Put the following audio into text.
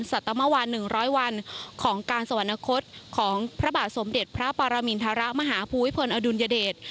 สัตมวาน๑๐๐วันของการสวรรคตของพระบาทสมเด็จพระปรมินทรมาหาภูมิพลอดุลยเดช